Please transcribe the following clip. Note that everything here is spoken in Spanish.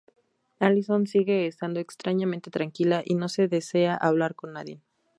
Allison sigue estando extrañamente tranquila y no desea hablar con nadie.